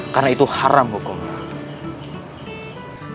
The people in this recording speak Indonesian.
karena itu haram hukumnya